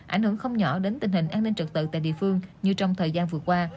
ảnh hưởng không nhỏ đến tình hình an ninh trật tự tại địa phương như trong thời gian vừa qua